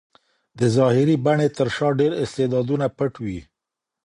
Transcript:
د ظاهري بڼې تر شا ډېر استعدادونه پټ وي.